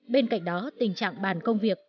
bên cạnh đó tình trạng bàn công việc